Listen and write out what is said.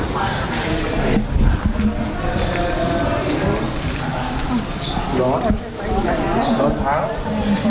กล้างภาพภาชาใจบุญของพระเรือนได้ถูกยอมวกนี้